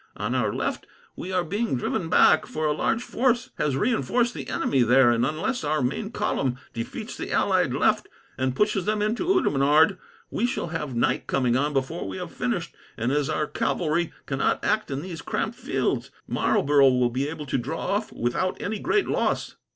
"On our left we are being driven back, for a large force has reinforced the enemy there, and unless our main column defeats the allied left, and pushes them into Oudenarde, we shall have night coming on before we have finished; and, as our cavalry cannot act in these cramped fields, Marlborough will be able to draw off without any great loss."